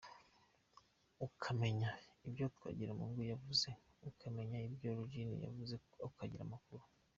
Ukamenya ibyo Twagiramungu yavuze, ukamenya ibyo Rejens yavuze ukagira amakuru.